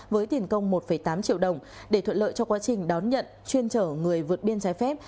với tiền công một tám triệu đồng để thuận lợi cho quá trình đón nhận chuyên trở người vượt biên trái phép